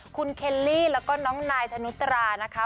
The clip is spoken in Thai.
คุณเคลลี่แล้วก็น้องนายชนุตรานะคะ